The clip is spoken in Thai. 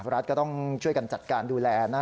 รัฐก็ต้องช่วยกันจัดการดูแลนะ